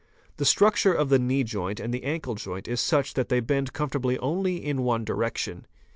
The structure of the knee joint and the ankle joint is such that they bend comfortably only in one direction.